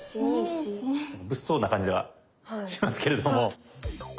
物騒な感じがしますけれども。